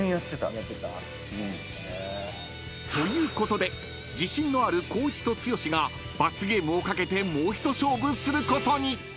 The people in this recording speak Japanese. ［ということで自信のある光一と剛が罰ゲームをかけてもう一勝負することに］